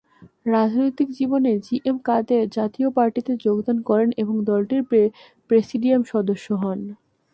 রাজনৈতিক জীবনে জিএম কাদের জাতীয় পার্টিতে যোগদান করেন এবং দলটির প্রেসিডিয়াম সদস্য হন।